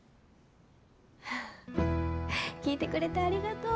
聞いてくれてありがとう。